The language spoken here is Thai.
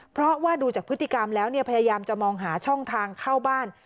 เพราะว่าดูจากพฤติกรรมแล้วพยายามจะมองหาช่องทางเข้าบ้าน